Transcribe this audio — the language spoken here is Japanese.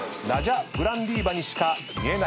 ナジャ・グランディーバやそれ。